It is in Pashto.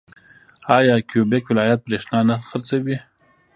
آیا کیوبیک ولایت بریښنا نه خرڅوي؟